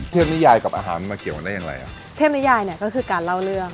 นิยายกับอาหารมาเกี่ยวกันได้อย่างไรอ่ะเทพนิยายเนี้ยก็คือการเล่าเรื่อง